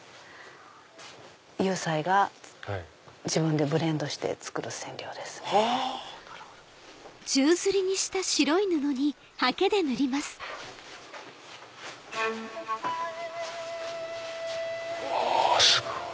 祐斎が自分でブレンドして作る染料ですね。わすごい。